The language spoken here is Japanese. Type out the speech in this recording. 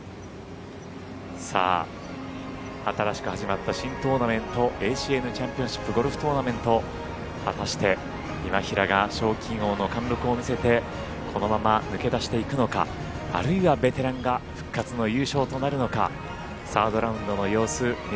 新しく始まった新トーナメントＡＣＮチャンピオンシップゴルフトーナメント果たして今平が賞金王の貫録を見せてこのまま抜け出していくのかあるいはベテランが来ましたよ